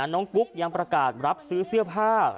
กุ๊กยังประกาศรับซื้อเสื้อผ้า